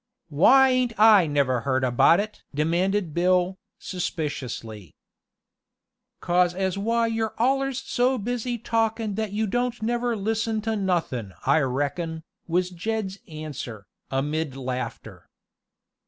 "Why ain't I never heard about it?" demanded Bill, suspiciously. "'Cause as why you're allers so busy talkin' that you don't never listen to nothin' I reckon," was Jed's answer, amid laughter.